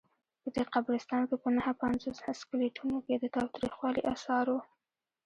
په دې قبرستان کې په نههپنځوس سکلیټونو کې د تاوتریخوالي آثار وو.